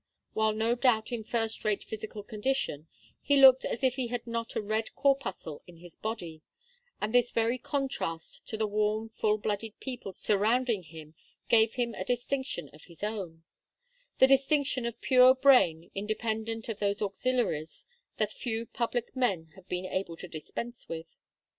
While no doubt in first rate physical condition, he looked as if he had not a red corpuscle in his body, and this very contrast to the warm full blooded people surrounding him gave him a distinction of his own, the distinction of pure brain independent of those auxiliaries that few public men have been able to dispense with.